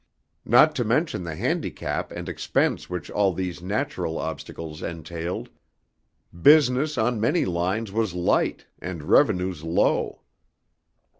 Not to mention the handicap and expense which all these natural obstacles entailed, business on many lines was light, and revenues low.